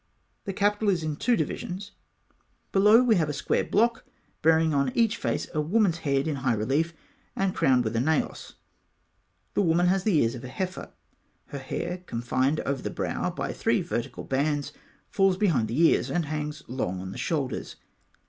The capital is in two divisions. Below we have a square block, bearing on each face a woman's head in high relief and crowned with a naos. The woman has the ears of a heifer. Her hair, confined over the brow by three vertical bands, falls behind the ears, and hangs long on the shoulders.